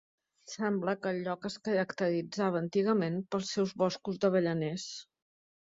Sembla que el lloc es caracteritzava antigament pels seus boscos d'avellaners.